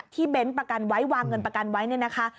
เบ้นประกันไว้วางเงินประกันไว้เนี่ยนะคะ